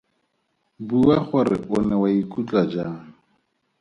Bua gore o ne wa ikutlwa jang.